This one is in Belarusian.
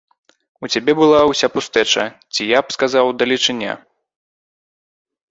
У цябе была ўся пустэча, ці, я б сказаў, далечыня.